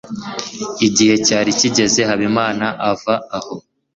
igihe cyari kigeze habimana ava aho